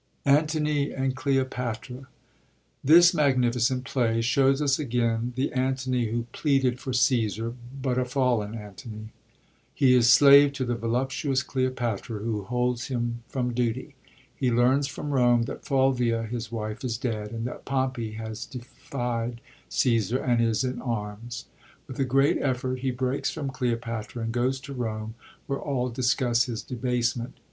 Antont and Cleopatra.— This magnificent play shows us again the Antony who pleaded for Caefsar, but a fallen Antony. He is slave to the voluptuous Cleopatra, who holds him from duty. He learns from Rome that Fulvia, his wife, is dead, and that Pompey has defied CsBsar, and is in arms. With a great effort he breaks from Cleopatra and goes to Rome, where all discuss his debasfement.